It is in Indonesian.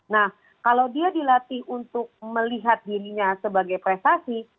nah kalau dia dilatih untuk melihat dirinya sebagai prestasi